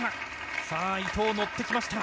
さぁ伊藤、のってきました！